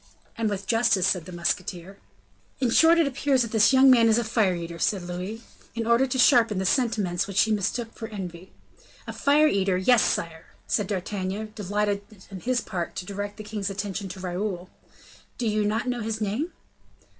"And with justice," said the musketeer. "In short, it appears that this young man is a fire eater," said Louis, in order to sharpen the sentiment which he mistook for envy. "A fire eater! Yes, sire," repeated D'Artagnan, delighted on his part to direct the king's attention to Raoul. "Do you not know his name?"